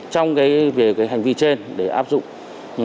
trong cái hành vi trên để áp dụng